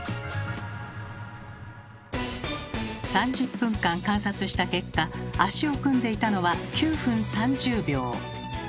３０分間観察した結果足を組んでいたのは９分３０秒。